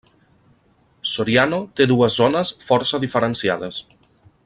Soriano té dues zones força diferenciades.